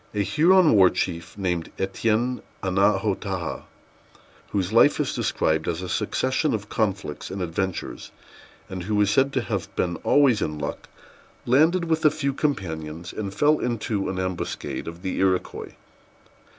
A Huron war chief, named Étienne Annaotaha, whose life is described as a succession of conflicts and adventures, and who is said to have been always in luck, landed with a few companions, and fell into an ambuscade of the Iroquois.